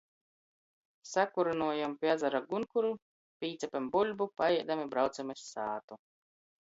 Sakurynuojom pi azara gunkuru, pīcepem buļbu, paēdem i braucem iz sātu.